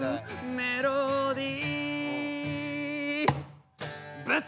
「メロディー」「ブス！」